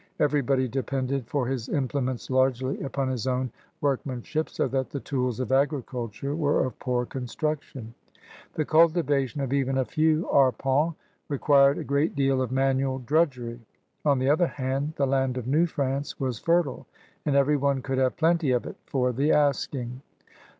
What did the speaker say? Everybody depended for his implements largely upon his own workman ship, so that the tools of agriculture were of poor construction. The cultivation of even a few arpents required a great deal of manual drudgery. On the other hand, the land of New France was fertile, and every one could have plenty of it for the asking.